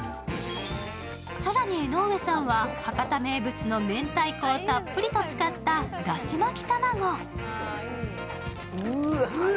更に江上さんは、博多名物のめんたいこをたっぷりと使っただし巻き卵。